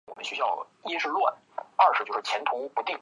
不少书籍都标示维多利亚城为香港的首府。